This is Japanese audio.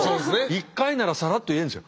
１回ならサラッと言えるんですよ。